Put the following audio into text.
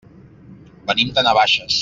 Venim de Navaixes.